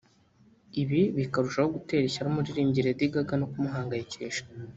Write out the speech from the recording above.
ibi bikarushaho gutera ishyari umuririmbyi Lady Gaga no kumuhangayikisha